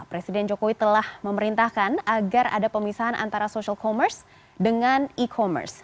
presiden jokowi telah memerintahkan agar ada pemisahan antara social commerce dengan e commerce